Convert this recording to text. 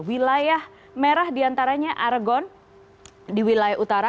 wilayah merah diantaranya argon di wilayah utara